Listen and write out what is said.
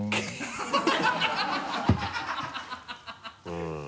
うん。